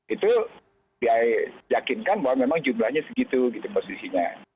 itu diyakinkan bahwa memang jumlahnya segitu gitu posisinya